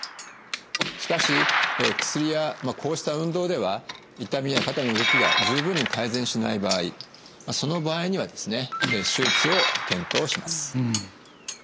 しかし薬やこうした運動では痛みや肩の動きが十分に改善しない場合その場合にはですね手術を検討します。